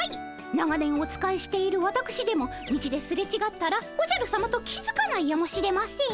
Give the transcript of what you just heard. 長年お仕えしているわたくしでも道ですれちがったらおじゃるさまと気付かないやもしれません。